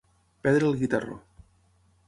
Perdre el guitarró.